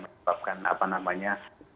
menyebabkan apa namanya